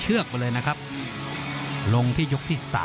โหโหโหโห